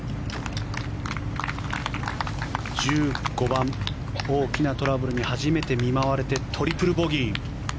１５番、大きなトラブルに初めて見舞われてトリプルボギー。